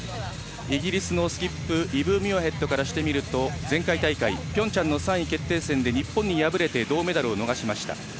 イギリスのスキップイブ・ミュアヘッドからしてみると前回大会、ピョンチャンの３位決定戦で日本に敗れて銅メダルを逃しました。